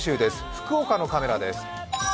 福岡のカメラです。